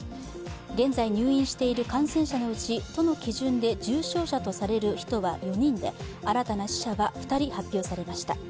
現在入院している感染者のうち都の基準で重症者とされる人は４人で、新たな死者は２人発表されました。